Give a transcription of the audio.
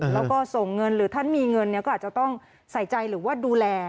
แล้วก็ส่งเงินหรือท่านมีเงินก็อาจจะต้องใส่ใจหรือว่าดูแล